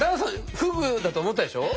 ふぐだと思ったでしょ？